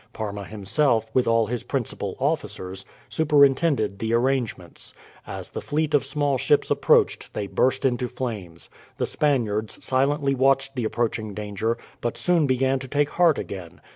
Parma himself, with all his principal officers, superintended the arrangements. As the fleet of small ships approached they burst into flames. The Spaniards silently watched the approaching danger, but soon began to take heart again.